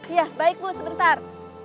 iya baik bu sebentar